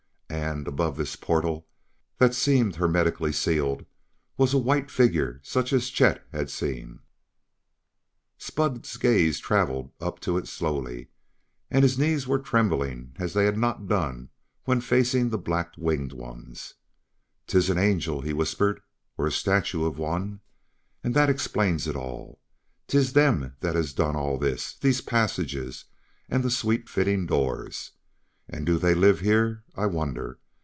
And, above this portal that seemed hermetically sealed, was a white figure such as Chet had seen. Spud's gaze traveled up to it slowly, and his knees were trembling as they had not done when facing the black winged ones. "'Tis an angel," he whispered, "or the statue of one! And that explains it all. 'Tis them that has done all this these passages, and the sweet fittin' doors. And do they live here? I wonder.